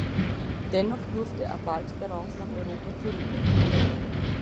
Dennoch durfte er bald darauf nach Europa zurückkehren.